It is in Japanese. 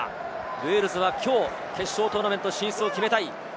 ウェールズはきょう決勝トーナメント進出を決めたい。